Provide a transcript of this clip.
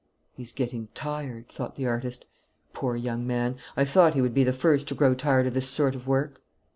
"He's getting tired," thought the artist. "Poor young man, I thought he would be the first to grow tired of this sort of work."